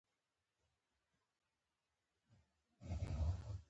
اویا زره کاله مخکې یو څه بدلون راغی.